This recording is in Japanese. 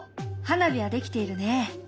花火は出来ているね。